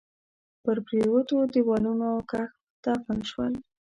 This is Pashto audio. په پريوتو ديوالونو کښ دفن شول